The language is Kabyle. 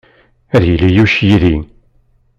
Ad yili Yuc yid-i.